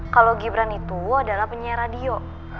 kalau gibran itu adalah penyiar radio